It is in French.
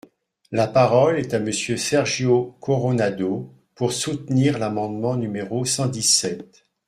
La parole est à Monsieur Sergio Coronado, pour soutenir l’amendement numéro cent dix-sept.